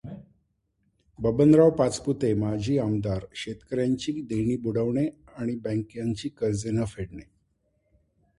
बबनराव पाचपुते माजी आमदार शेतकर् याची देणी बुडवणे व बँकेची कर्जे न फेडणे.